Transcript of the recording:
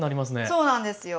そうなんですよ。